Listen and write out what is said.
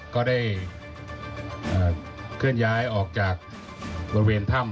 ก็ได้เคลื่อนย้ายออกจากบริเวณถ้ำ